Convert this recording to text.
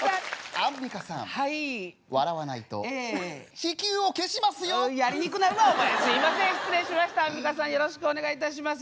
アンミカさんよろしくお願いいたします。